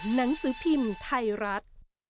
หนังสือพิมพ์ไทยรัฐ